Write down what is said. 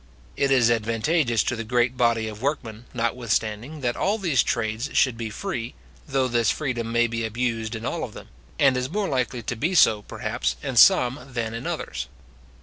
It is advantageous to the great body of workmen, notwithstanding, that all these trades should be free, though this freedom may be abused in all of them, and is more likely to be so, perhaps, in some than in others.